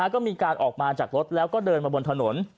ก็มีการออกมาจากรถแล้วก็เดินมาบนถนน